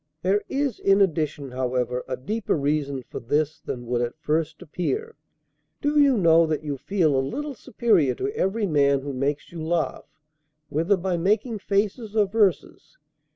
There is in addition, however, a deeper reason for this than would at first appear. Do you know that you feel a little superior to every man who makes you laugh, whether by making faces or verses?